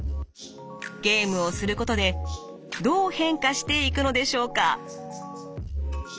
ゲームをすることでどう変化していくのでしょうか。